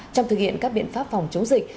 trong thực hiện các biện pháp phòng chống dịch